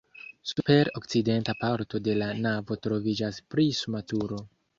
Super okcidenta parto de la navo troviĝas prisma turo.